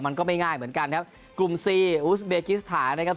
มันก็ไม่ง่ายเหมือนกันครับกลุ่มซีอูสเบกิสถานะครับ